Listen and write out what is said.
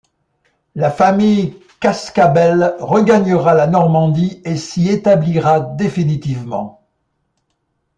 La famille Cascabel regagnera la Normandie et s'y établira définitivement.